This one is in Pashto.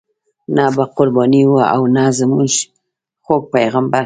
نه به قرباني وه او نه زموږ خوږ پیغمبر.